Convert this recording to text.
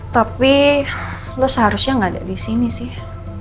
tapi lo seharusnya gak ada disini sih